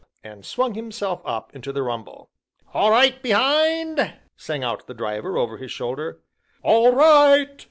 and swung himself up into the rumble. "All right behind?" sang out the Driver, over his shoulder. "All right!"